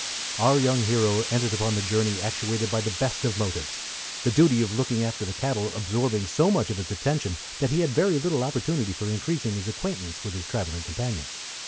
Our young hero entered upon the journey actuated by the best of motives, the duty of looking after the cattle absorbing so much of his attention that he had very little opportunity for increasing his acquaintance with his travelling companion.